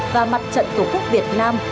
và mặt trận của quốc việt nam